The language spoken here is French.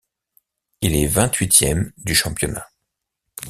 Il est vingt-huitième du championnat.